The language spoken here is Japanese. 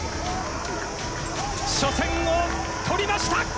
初戦を取りました！